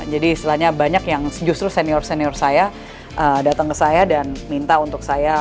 jadi istilahnya banyak yang justru senior senior saya datang ke saya dan minta untuk saya